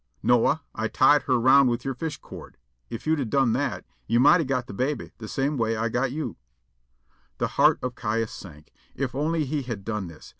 "Noa. I tied her round with your fish cord. If yo'd have done that, yo' might have got the babby the same way I got yo'." The heart of Caius sank. If only he had done this!